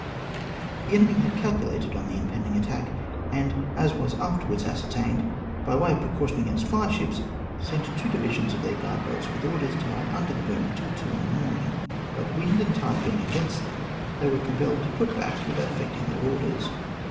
The enemy had calculated on the impending attack, and, as was afterwards ascertained, by way of precaution against fireships, sent two divisions of their guard boats, with orders to he under the boom till two in the morn ing ; but wind and tide being against them, they were compelled to put back, without effecting their orders.